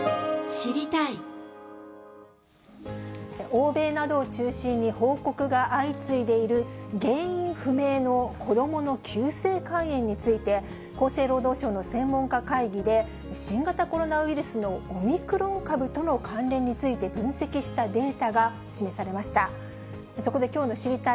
欧米などを中心に、報告が相次いでいる、原因不明の子どもの急性肝炎について、厚生労働省の専門家会議で、新型コロナウイルスのオミクロン株との関連について分析したデータが示されました。